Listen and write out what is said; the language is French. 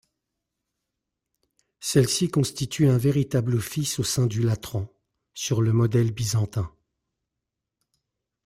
Celle-ci constitue un véritable office au sein du Latran, sur le modèle byzantin.